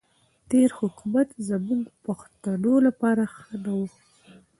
تېر حکومت زموږ پښتنو لپاره ښه نه وو.